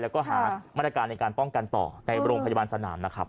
แล้วก็หามาตรการในการป้องกันต่อในโรงพยาบาลสนามนะครับ